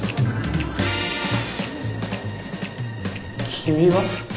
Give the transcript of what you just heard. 君は。